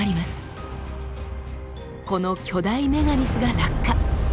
この巨大メガリスが落下。